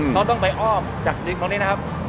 เขาต้องไปอ้อมจากดินตรงนี้นะครับ